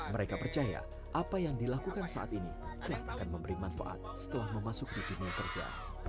mereka percaya apa yang dilakukan saat ini akan memberi manfaat setelah memasuki dunia kerja